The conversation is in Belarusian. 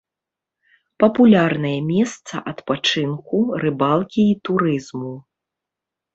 Папулярнае месца адпачынку, рыбалкі і турызму.